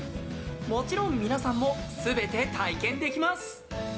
もちろん、皆さんも全て体験できます！